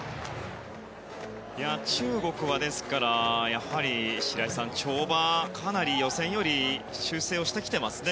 中国はやはり跳馬は白井さん、かなり予選より修正してきていますね。